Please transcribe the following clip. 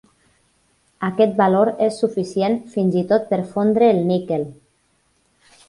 Aquest valor és suficient fins i tot per fondre el níquel.